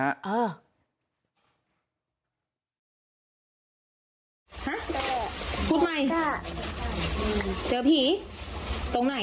ฮะฟุ๊บใหม่จ้ะเจอผีตรงไหน